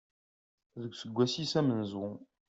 Deg useggas-is amenzu.